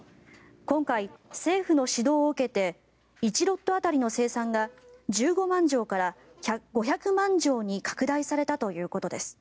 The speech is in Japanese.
今回、政府の指導を受けて１ロット当たりの生産が１５万錠から５００万錠に拡大されたということです。